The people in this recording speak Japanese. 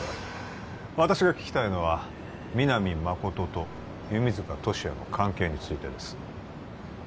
私が聞きたいのは皆実誠と弓塚敏也の関係についてです